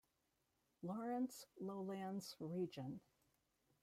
Lawrence lowlands region.